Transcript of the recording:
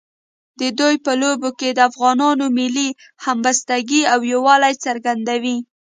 د دوی په لوبو کې د افغانانو ملي همبستګۍ او یووالي څرګندوي.